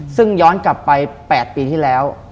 ซึ่งย้อนกลับไป๘ปีที่แล้ว